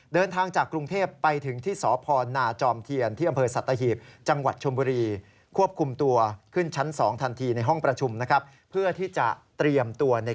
เดินทางจากกรุงเทพฯไปถึงที่สนาจอมเทียนที่อำเภอสัตว์ตะหิบ